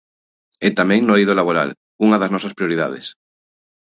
E tamén no eido laboral, unha das nosas prioridades.